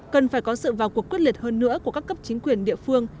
cần phải có sự vào cuộc quyết liệt hơn nữa của các cấp chính quyền địa phương